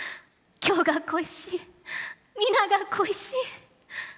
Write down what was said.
京が恋しい皆が恋しい。